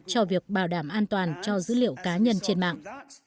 cho việc bảo đảm an toàn cho dữ liệu cá nhân trên mạng